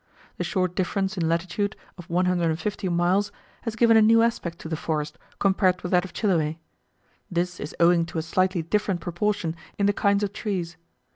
The short difference in latitude, of 150 miles, has given a new aspect to the forest compared with that of Chiloe. This is owing to a slightly different proportion in the kinds of trees.